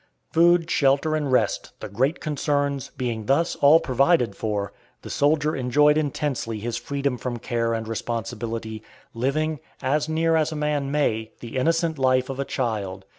Food, shelter, and rest, the great concerns, being thus all provided for, the soldier enjoyed intensely his freedom from care and responsibility, living, as near as a man may, the innocent life of a child.